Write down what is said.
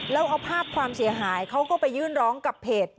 แล้วเอาภาพความเสียหายเขาก็ไปยื่นร้องกับเพจ